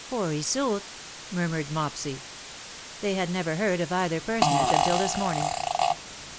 " Poor Iseult/^ murmured Mopsy. They had never heard of either personage until this morning.